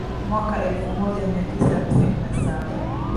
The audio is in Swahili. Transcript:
Mwaka elfu moja mia tisa hamsini na saba